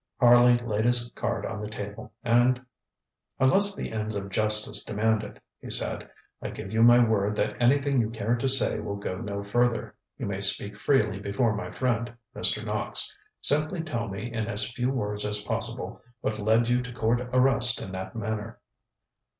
ŌĆØ Harley laid his card on the table, and: ŌĆ£Unless the ends of justice demand it, ŌĆØ he said, ŌĆ£I give you my word that anything you care to say will go no further. You may speak freely before my friend, Mr. Knox. Simply tell me in as few words as possible what led you to court arrest in that manner.